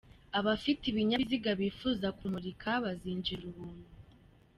Abafite ibinyabiziga bifuza kumurika bazinjirira ubuntu.